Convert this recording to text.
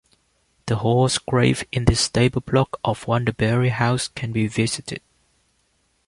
The horse's grave in the stable block of Wandlebury House can be visited.